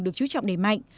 được chú trọng đẩy mạnh